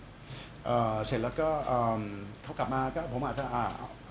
อ่าเสร็จแล้วก็อ่าเขากลับมาก็ผมอาจจะอ่า